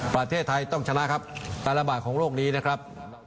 ประเทศไทยต้องชนะครับการระบาดของโรคนี้นะครับ